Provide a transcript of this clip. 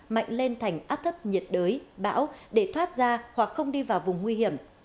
mạnh lên thành áp thấp nhiệt đới bão để thoát ra hoặc không đi vào vùng nguy hiểm